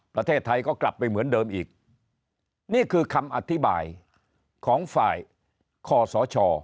ประเทศไทยก็กลับไปเหมือนเดิมอีกนี่คือคำอธิบายของฝ่ายคอสช